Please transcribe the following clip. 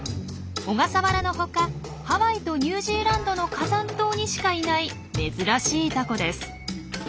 小笠原のほかハワイとニュージーランドの火山島にしかいない珍しいタコです。